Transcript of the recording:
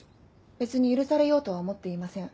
別に許されようとは思っていません。